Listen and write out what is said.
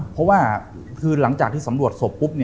เพราะว่าคือหลังจากที่สำรวจศพปุ๊บ